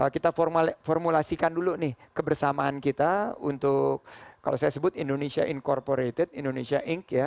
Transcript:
kita formulasikan dulu nih kebersamaan kita untuk kalau saya sebut indonesia incorporated indonesia inc ya